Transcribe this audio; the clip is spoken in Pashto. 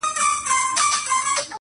• په الاهو راغلی خوبه خو چي نه تېرېدای -